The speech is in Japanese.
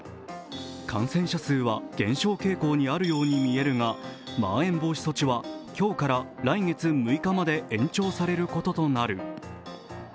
感染者数は減少傾向にあるようにみえるがまん延防止措置は今日から来月６日まで延長されることとなる。